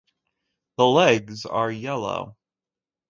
The legs are yellow.